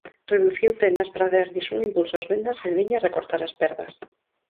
Reduciu tendas para darlles un impulso ás vendas en liña e recortar as perdas.